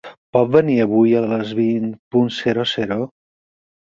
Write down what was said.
Pot venir avui a les vint punt zero zero?